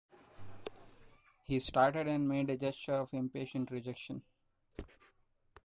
He started, and made a gesture of impatient rejection.